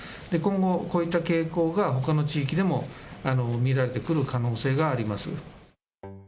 今後、こういった傾向がほかの地域でも見られてくる可能性があります。